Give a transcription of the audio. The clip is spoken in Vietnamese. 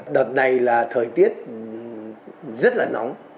đợt này là thời tiết rất là nóng